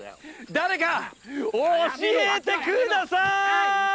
誰か教えて下さい！